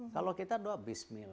kalau kita doa bismillah